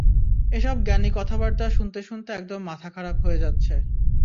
এসব জ্ঞানী কথাবার্তা শুনতে শুনতে একদম মাথা খারাপ হয়ে যাচ্ছে।